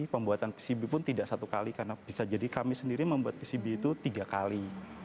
pembuatan pcb pun tidak satu kali karena bisa jadi kami sendiri membuat pcb itu tiga kali